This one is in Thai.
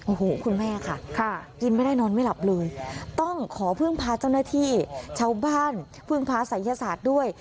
โอ้โหคุณแม่ค่ะกินไม่ได้นอนไม่หลับเลยต้องขอพึ่งพาเจ้าหน้าที่ชาวบ้านพึ่งพาศัยยศาสตร์ด้วย